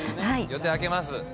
予定空けます。